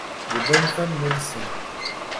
Les bonnes femmes médecins.